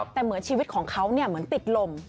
แต่เหมือนชีวิตของเขาเหมือนติดลม